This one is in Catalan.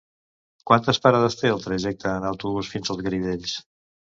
Quantes parades té el trajecte en autobús fins als Garidells?